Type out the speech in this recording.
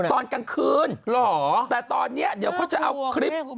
ตอนกลางคืนแต่ตอนนี้เดี๋ยวเขาจะเอาคลิป